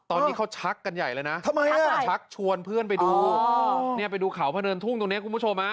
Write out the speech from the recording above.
ตอนนี้เขาชักกันใหญ่เลยนะทำไมต้องชักชวนเพื่อนไปดูเนี่ยไปดูเขาพะเนินทุ่งตรงนี้คุณผู้ชมฮะ